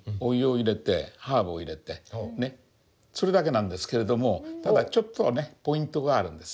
それだけなんですけれどもただちょっとねポイントがあるんです。